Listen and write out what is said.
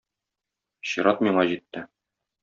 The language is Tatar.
Чират миңа җитте.